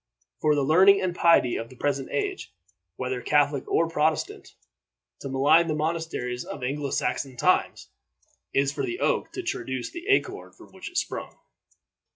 For the learning and piety of the present age, whether Catholic or Protestant, to malign the monasteries of Anglo Saxon times is for the oak to traduce the acorn from which it sprung.